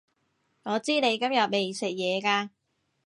我知你今日未食嘢㗎